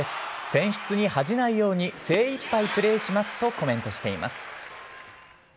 選出に恥じないように、精いっぱいプレーしますとコメントしています。